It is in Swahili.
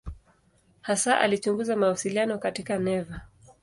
Hasa alichunguza mawasiliano katika neva.